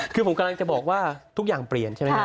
คือผมกำลังจะบอกว่าทุกอย่างเปลี่ยนใช่ไหมครับ